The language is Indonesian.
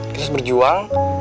kita harus berjuang